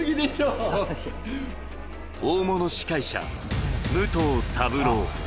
大物司会者、武藤三朗。